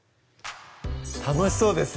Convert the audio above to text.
楽しそうです